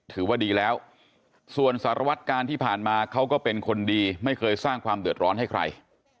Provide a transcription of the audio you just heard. ถือว่าดีแล้วส่วนสารวัตการณ์ที่ผ่านมาเขาก็เป็นคนดีไม่เคยสร้างความเดือดร้อนให้ใคร